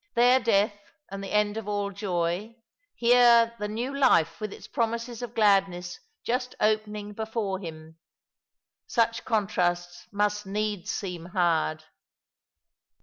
There death, and the end of all joy — here the new life with its promises of gladness just opening before him. Such contrasts must needs seem hard.